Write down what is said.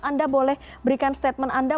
anda boleh berikan statement anda